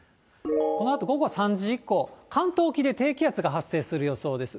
このあと午後３時以降、関東沖で低気圧が発生する予想です。